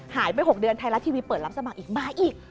หายไป๖เดือนไทยรัฐทีวีเปิดรับสมัครอีกมาอีก